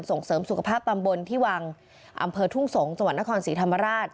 ส่งเสริมสุขภาพตำบลที่วังอำเภอทุ่งสงศ์จังหวัดนครศรีธรรมราช